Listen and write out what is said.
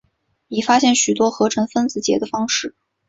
已发现许多合成分子结的方式。